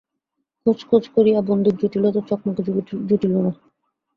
খোঁজ খোঁজ করিয়া বন্দুক জুটিল তো চকমকি জুটিল না।